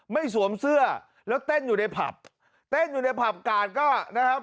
สวมเสื้อแล้วเต้นอยู่ในผับเต้นอยู่ในผับกาดก็นะครับ